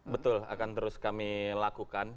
betul akan terus kami lakukan